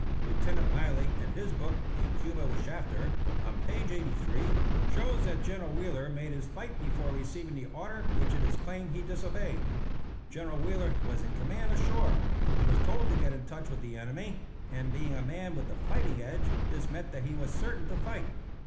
Lieutenant Miley, in his book, "In Cuba with Shafter," on page 83, shows that General Wheeler made his fight before receiving the order which it is claimed he disobeyed. General Wheeler was in command ashore; he was told to get in touch with the enemy, and, being a man with the "fighting edge," this meant that he was certain to fight.